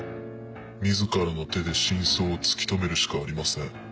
自らの手で真相を突き止めるしかありません。